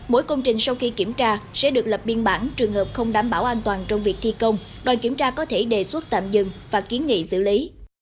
mỗi công trình sau khi kiểm tra sẽ được lập biên bản trường hợp không đảm bảo an toàn trong việc thi công đoàn kiểm tra có thể đề xuất tạm dừng và kiến nghị xử lý